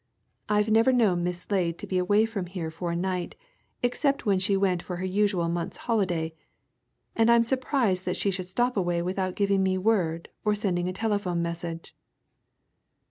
I've never known Miss Slade to be away from here for a night except when she went for her usual month's holiday, and I'm surprised that she should stop away without giving me word or sending a telephone message."